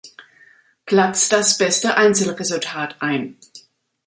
Platz das beste Einzelresultat ein.